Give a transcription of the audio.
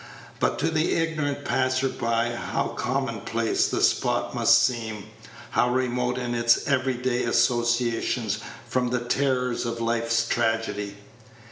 But to the ignorant passers by how commonplace the spot must seem; how remote in its every day associations from the terrors of life's tragedy!